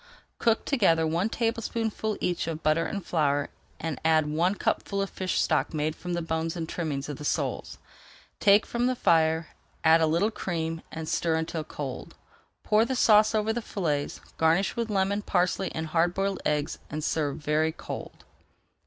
Cook together one tablespoonful each of butter and flour, and add one cupful of fish stock made from the bones and trimmings of the soles. Take from the fire, add a little cream, and stir until cold. Pour the sauce over the fillets, garnish with lemon, parsley, and hard boiled eggs, and serve very cold.